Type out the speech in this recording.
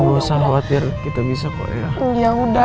jangan usah khawatir kita bisa kok ya